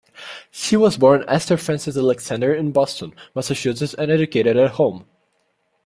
She was born Esther Frances Alexander in Boston, Massachusetts and educated at home.